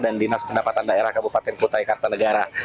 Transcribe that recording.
dan dinas pendapatan daerah kabupaten kutai kartanegara